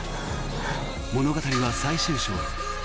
物語は最終章へ！